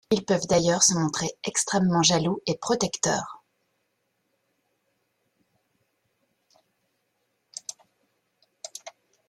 Ils peuvent d'ailleurs se montrer extrêmement jaloux et protecteurs.